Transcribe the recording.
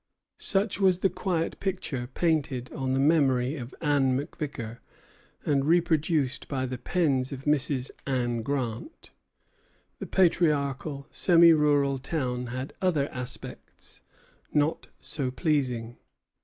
Such was the quiet picture painted on the memory of Anne MacVicar, and reproduced by the pen of Mrs. Anne Grant. The patriarchal, semi rural town had other aspects, not so pleasing.